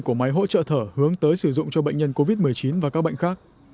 của máy hỗ trợ thở hướng tới sử dụng cho bệnh nhân covid một mươi chín và các bệnh khác